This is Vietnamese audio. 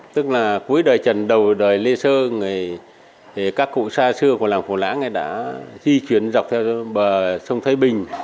tức là cuối đời trần đầu đời lê sơ thì các cụ xa xưa của làng cổ lãng đã di chuyển dọc theo bờ sông thái bình